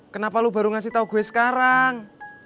kenapa lo baru ngasih tahu gue sekarang